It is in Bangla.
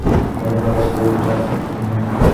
মেটাভার্স তৈরিতে কাজ করছে কোম্পানিটি।